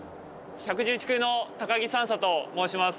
１１１空の木３佐と申します。